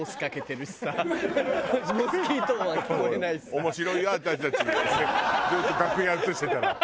面白いよ私たちずっと楽屋映してたら。